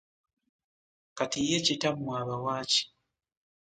Kati ye kitammwe abawa ki?